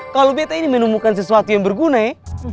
kalau betta ini menemukan sesuatu yang berguna ya